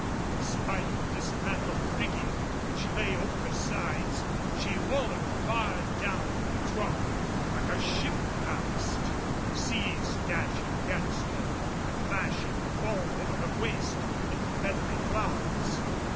In spite of the dismantled rigging which lay over her sides, she wallowed far down in the trough like a shift ballast, the seas dashing against her and lashing the foam over her waist in feathery clouds.